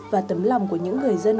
và tấm lòng của những người dân